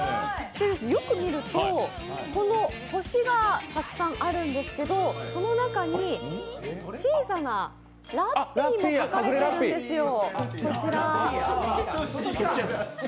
よく見ると、この星がたくさんあるんですけどその中に小さなラッピーも描かれてるんですよ。